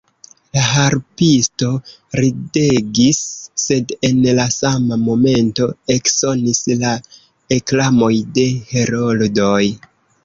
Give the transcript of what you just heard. La harpisto ridegis, sed en la sama momento eksonis la aklamoj de heroldoj.